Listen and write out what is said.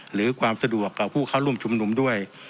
หรือความสะดวกกับผู้เข้าร่วมชุมนุมด้วย